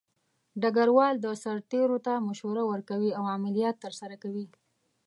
ډګروال د سرتیرو ته مشوره ورکوي او عملیات ترسره کوي.